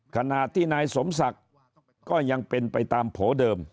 ขณะที่นายสมศักดิ์ก็ยังเป็นไปตามโผล่เดิม